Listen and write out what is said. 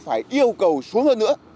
phải yêu cầu xuống hơn nữa